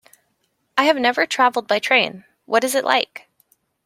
I have never traveled by train, what is it like?